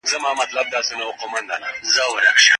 زکات د مال د زیاتوالي او پاکوالي لامل ګرځي.